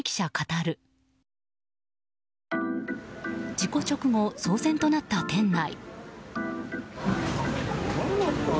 事故直後、騒然となった店内。